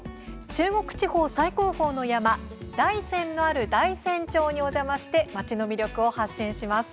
中国地方最高峰の山大山のある大山町にお邪魔して町の魅力を発信します。